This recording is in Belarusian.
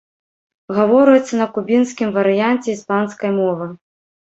Гавораць на кубінскім варыянце іспанскай мовы.